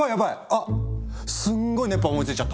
あっすんごい熱波思いついちゃった！